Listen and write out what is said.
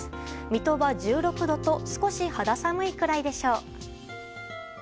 水戸は１６度と少し肌寒いくらいでしょう。